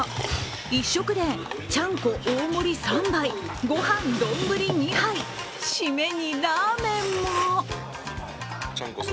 １食でちゃんこ大盛り３杯、ご飯、丼２杯、締めにラーメンも。